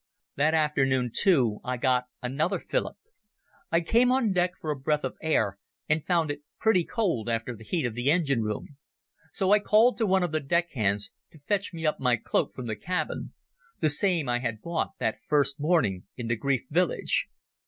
That afternoon, too, I got another fillip. I came on deck for a breath of air and found it pretty cold after the heat of the engine room. So I called to one of the deck hands to fetch me up my cloak from the cabin—the same I had bought that first morning in the Greif village.